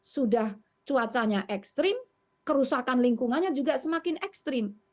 sudah cuacanya ekstrim kerusakan lingkungannya juga semakin ekstrim